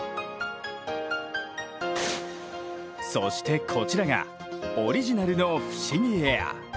そしてこちらがオリジナルの「不思議エア」。